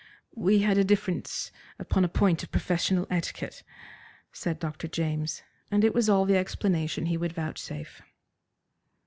"We had a difference upon a point of professional etiquette," said Dr. James, and it was all the explanation he would vouchsafe.